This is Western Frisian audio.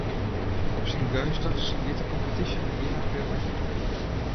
Op syn geunstichst giet de kompetysje begjin april wer fierder.